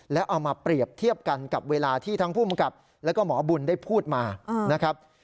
แล้วเอามาเปรียบเทียบกันกับเวลาที่ทั้งภูมิกับแล้วก็หมอบุญได้พูดมานะครับ